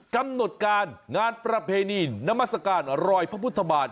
กำหนดการงานประเพณีนามัศกาลรอยพระพุทธบาท